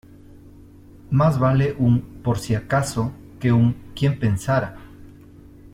Más vale un "por si acaso" que un "quien pensara".